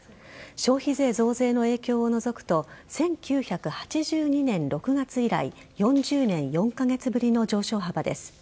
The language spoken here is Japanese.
消費税増税の影響を除くと１９８２年６月以来４０年４カ月ぶりの上昇幅です。